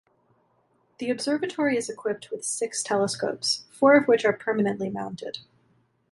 The observatory is equipped with six telescopes, four of which are permanently mounted.